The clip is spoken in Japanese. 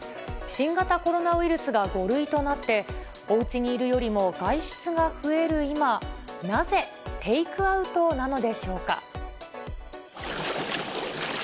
新型コロナウイルスが５類となって、おうちにいるよりも外出が増える今、なぜ、テイクアウトなのでしょうか。